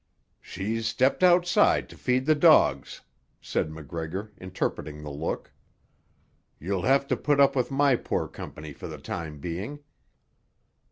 "She's stepped outside to feed the dogs," said MacGregor, interpreting the look. "You'll have to put up with my poor company for the time being."